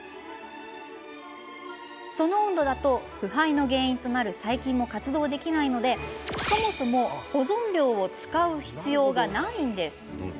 その温度だと腐敗の原因となる細菌も活動できないのでそもそも保存料を使う必要がないんです。